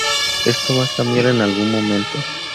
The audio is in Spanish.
Esto va a cambiar en algún momento.